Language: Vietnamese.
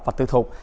và tư thuộc